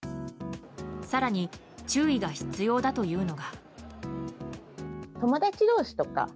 更に注意が必要だというのが。